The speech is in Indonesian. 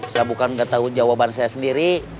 saya bukan nggak tahu jawaban saya sendiri